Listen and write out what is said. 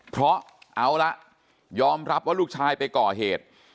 เพราะเอาละยอมรับว่าลูกชายไปก่อเหตุ